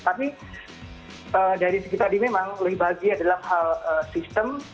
tapi dari segi tadi memang lebih bahagia dalam hal sistem